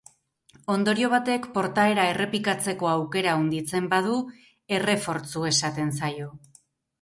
Ondorio batek portaera errepikatzeko aukera handitzen badu, errefortzu esaten zaio.